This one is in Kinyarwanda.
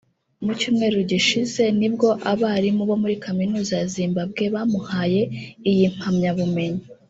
Mu cyumweru gishize nibwo abarimu bo muri Kaminuza ya Zimbabwe bamuhaye iyi mpamyabumenyi